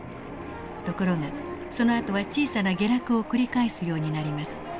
ところがそのあとは小さな下落を繰り返すようになります。